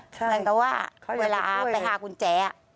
หมายถึงว่าเวลาไปหาคุณแจ